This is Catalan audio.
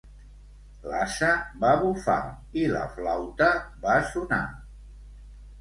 L'ase va bufar i la flauta va sonar.